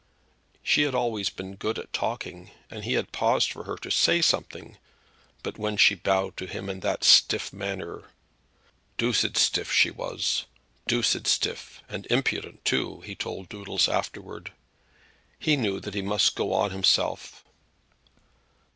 She had always been good at talking, and he had paused for her to say something; but when she bowed to him in that stiff manner, "doosed stiff she was; doosed stiff, and impudent too," he told Doodles afterwards; he knew that he must go on himself.